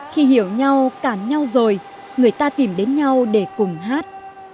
khi hiểu nhau cản nhau rồi người ta tìm đến nhau để cùng hát